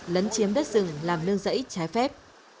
lấn chiếm đất rừng làm nương rẫy trái phép